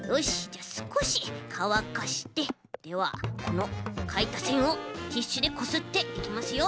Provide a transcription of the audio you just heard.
じゃあすこしかわかしてではこのかいたせんをティッシュでこすっていきますよ。